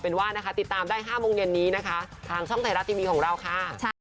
นาคมนี้จ้าเจอกันค่ะ